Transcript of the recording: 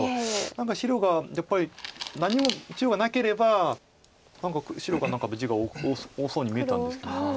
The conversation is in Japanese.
何か白がやっぱり何も中央がなければ白が地が多そうに見えたんですけど。